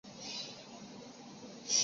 他就读时则曾经两度骨折。